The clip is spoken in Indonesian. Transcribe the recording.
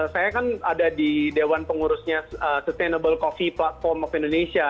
saya kan ada di dewan pengurusnya sustainable coffee platform of indonesia